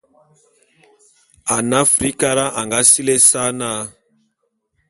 Ane Afrikara a nga sili ésa na.